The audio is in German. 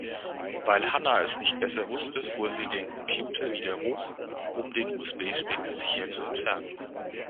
Weil Hanna es nicht besser wusste, fuhr sie den Computer wieder hoch, um den USB-Stick sicher zu entfernen.